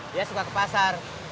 dia suka ke pasar